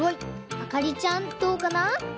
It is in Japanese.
あかりちゃんどうかな？